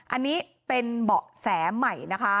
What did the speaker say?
อันนี้เป็นเบาะแสใหม่นะคะ